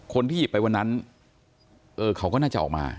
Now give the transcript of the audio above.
คนที่หยิบไปวันนั้นเขาก็น่าจะออกมา